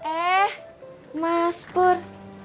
eh mas pur